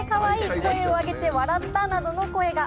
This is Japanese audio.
声を上げて笑ったなどの声が。